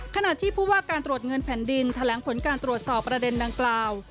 ขณะที่ผู้ว่าการตรวจเงินแผ่นดินแถลงผลการตรวจสอบประเด็นดังกล่าว